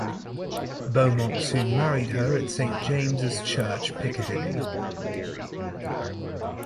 Beaumont soon married her at Saint James's Church, Piccadilly.